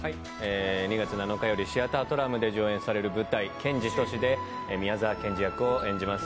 ２月７日よりシアタートラムで上演される舞台「ケンジトシ」で宮沢賢治役を演じます。